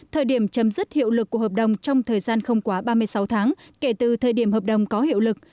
thời điểm chấm dứt hiệu lực của hợp đồng trong thời gian không quá ba mươi sáu tháng kể từ thời điểm hợp đồng có hiệu lực